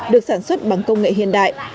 được sản xuất bằng công nghệ hiện đại